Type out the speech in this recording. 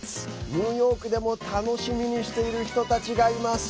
ニューヨークでも楽しみにしている人たちがいます。